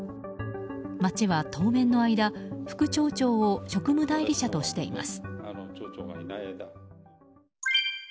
町は当面の間副町長を職務代理者としています。